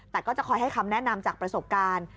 แต่ก็จะคอยให้คำแนะนำจากประสบการณ์